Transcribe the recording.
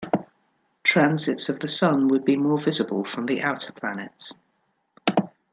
Transits of the Sun would be more visible from the outer planets.